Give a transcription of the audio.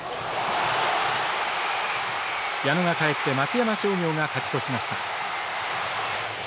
矢野が帰って松山商業が勝ち越しました。